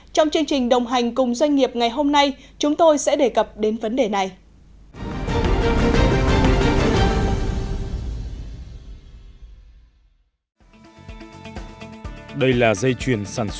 trong chương trình đồng hành cùng doanh nghiệp ngày hôm nay chúng tôi sẽ đề cập đến vấn đề này